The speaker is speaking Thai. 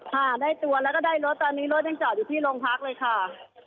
ค่ะได้ตัวแล้วก็ได้รถตอนนี้รถยังจอดอยู่ที่โรงพักเลยค่ะ